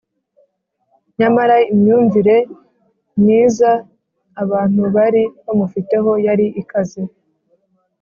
Nyamara imyumvire myiza abantu bari bamufiteho yari ikaze.